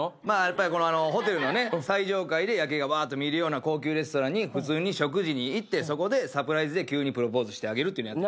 まあやっぱりホテルの最上階で夜景がばーっと見えるような高級レストランに普通に食事に行ってそこでサプライズで急にプロポーズしてあげるっていう。